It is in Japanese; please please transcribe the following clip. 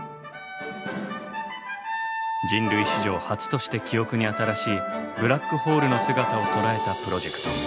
人類史上初として記憶に新しいブラックホールの姿を捉えたプロジェクト。